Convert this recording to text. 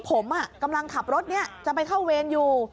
ผมกำลังขับรถนี้จะไปเข้าเวรอยู่